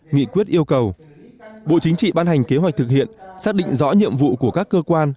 nghị quyết yêu cầu bộ chính trị ban hành kế hoạch thực hiện xác định rõ nhiệm vụ của các cơ quan